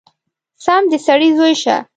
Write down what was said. سم د سړي زوی شه!!!